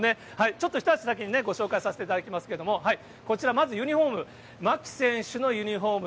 ちょっと一足先にご紹介させていただきますけどもね、こちら、まずユニホーム、牧選手のユニホーム。